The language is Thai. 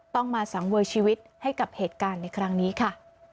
ต้องมาสังเวยชีวิตให้กับเหตุการณ์ในครั้งนี้ค่ะ